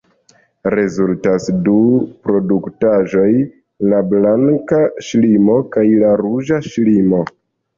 Rezultas du produktaĵoj, la blanka ŝlimo kaj la ruĝa ŝlimo.